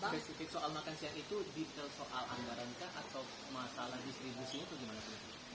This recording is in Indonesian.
atau masalah distribusinya itu gimana